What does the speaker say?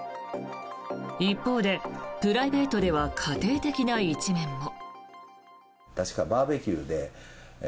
一方で、プライべートでは家庭的な一面も。